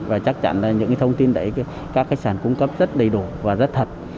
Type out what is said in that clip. và chắc chắn là những thông tin đấy các khách sạn cung cấp rất đầy đủ và rất thật